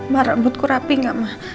merebutku rapi gak ma